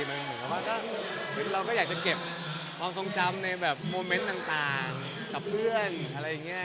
เราก็อยากจะเก็บความทรงจำในโมเมนต์ต่างกับเพื่อนอะไรอย่างเงี้ย